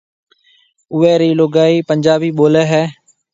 اوئيَ رِي لوگائي پنجابي ٻوليَ ھيََََ